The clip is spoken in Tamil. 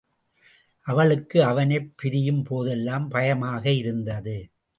அவளுக்கு அவனைப் பிரியும் போதெல்லாம் பயமாக இருந்தது.